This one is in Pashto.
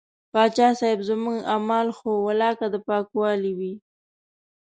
پاچا صاحب زموږ اعمال خو ولاکه د پاکوالي وي.